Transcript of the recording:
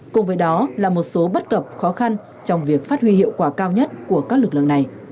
cùng với đó là một số bất cập khó khăn trong việc phát huy hiệu quả cao nhất của các lực lượng này